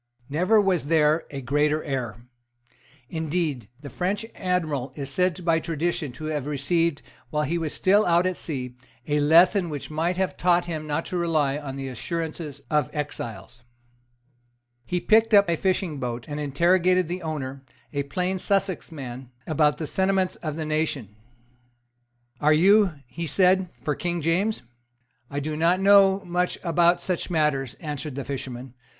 Never was there a greater error. Indeed the French admiral is said by tradition to have received, while he was still out at sea, a lesson which might have taught him not to rely on the assurances of exiles. He picked up a fishing boat, and interrogated the owner, a plain Sussex man, about the sentiments of the nation. "Are you," he said, "for King James?" "I do not know much about such matters," answered the fisherman.